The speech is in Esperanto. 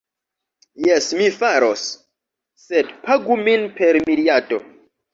Jes, mi faros. Sed pagu min per miriado